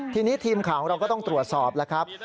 ทีนี้ทีมข่าวเราก็ต้องตรวจสอบนะครับ